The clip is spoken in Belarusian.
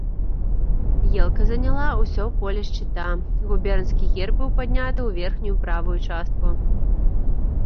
Елка заняла ўсё поле шчыта, губернскі герб быў падняты ў верхнюю правую частку.